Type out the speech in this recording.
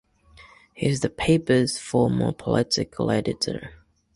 He is the paper's former political editor.